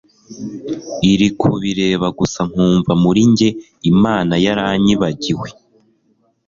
iri kubireba gusa nkumva murinjye Imana yaranyibagiwe